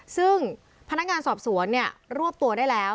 ซึ่งพนักงานสอบสวนรวบตัวได้แล้ว